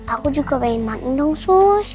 aku juga pengen makan dong sus